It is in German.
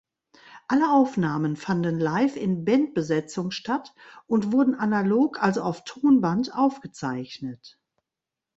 Alle Aufnahmen fanden live in Bandbesetzung statt und wurden analog, also auf Tonband, aufgezeichnet.